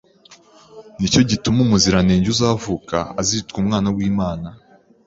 ni cyo gituma Umuziranenge uzavuka azitwa Umwana w’Imana